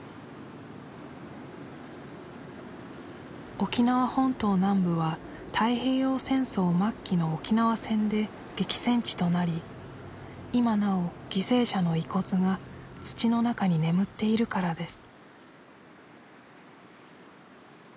沖縄本島南部は太平洋戦争末期の沖縄戦で激戦地となり今なお犠牲者の遺骨が土の中に眠っているからです